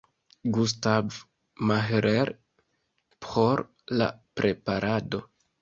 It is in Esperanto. Gustav Mahler por la preparado.